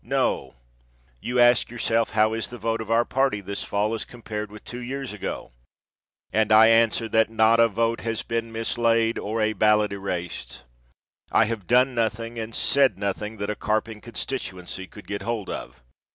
No!!! You ask yourself how is the vote of our party this fall as compared with two years ago? And I answer that not a vote has been mislaid or a ballot erased. I have done nothing and said nothing that a carping constituency could get hold of.